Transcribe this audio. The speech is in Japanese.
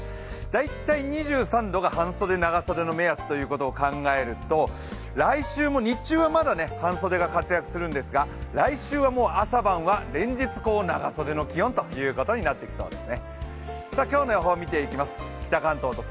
大体２３度が半袖、長袖の目安ということを考えると、来週も日中はまだ半袖が活躍するんですが、来週は朝晩は連日、長袖の気温となってきそうです。